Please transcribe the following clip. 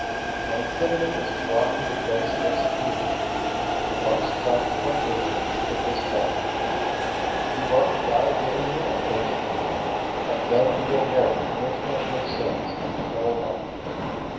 When a criminal is brought to the place of execution, the monks try to comfort him in this manner: "You want to die willingly and patiently, and then you will merit remission of your sins and eternal life."